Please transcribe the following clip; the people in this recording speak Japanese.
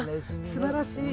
すばらしい。